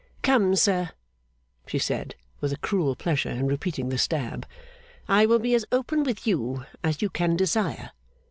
'Come, sir,' she said, with a cruel pleasure in repeating the stab, 'I will be as open with you as you can desire.